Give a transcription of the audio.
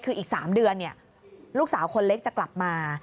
คืออีก๓เดือนลูกสาวคนเล็กจะกลับมา